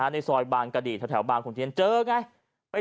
ในซอยบานกระดิษฐ์แถวบานของเจ้าไง